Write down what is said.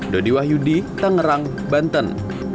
dodi wahyudi tangerang banten